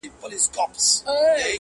o په میوند پسې دې خان و مان را ووت ,